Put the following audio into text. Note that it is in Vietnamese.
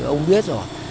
ông biết rồi